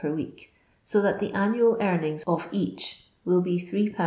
per week ; so that the annual earnings of each will be 8^ 18«.